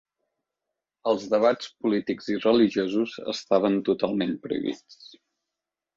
Els debats polítics i religiosos estaven totalment prohibits.